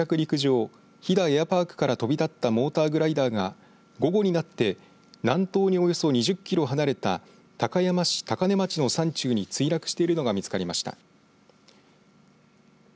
きのう昼前、高山市の離着陸場飛彈エアパークから飛び立ったモーターグライダーが午後になって南東におよそ２０キロ離れた高山市高根町の山中に墜落しているのが見つかりました。